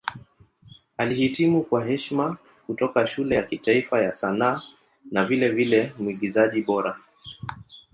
Alihitimu kwa heshima kutoka Shule ya Kitaifa ya Sanaa na vilevile Mwigizaji Bora.